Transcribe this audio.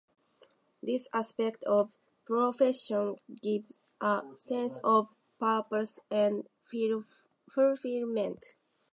This aspect of the profession gives a sense of purpose and fulfillment.